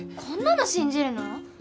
こんなの信じるの？